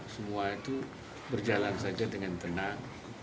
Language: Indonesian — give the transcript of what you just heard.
semua itu berjalan saja dengan tenang